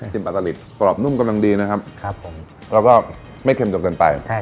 ชิมผ้าตะหลิดประดอบนุ่มควรดังดีนะครับแล้วก็ไม่เค็มจบเซ็นไป